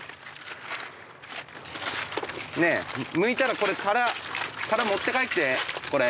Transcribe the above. ねえむいたらこれ殻殻持って帰ってこれ。